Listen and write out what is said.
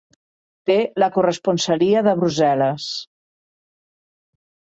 Té la corresponsalia de Brussel·les.